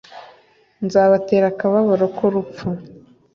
nzabatera akababaro k’urupfu,